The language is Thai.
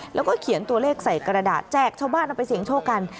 แล้วก็เขียนตัวเลขใส่กระดาษแจกชาวบ้านเอาไปเสี่ยงโชคกัน